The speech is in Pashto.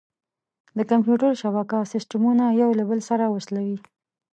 د کمپیوټر شبکه سیسټمونه یو له بل سره وصلوي.